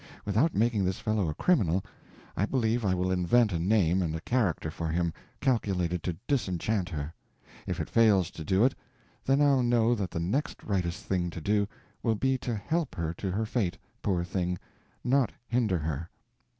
Without making this fellow a criminal, I believe I will invent a name and a character for him calculated to disenchant her. If it fails to do it, then I'll know that the next rightest thing to do will be to help her to her fate, poor thing, not hinder her."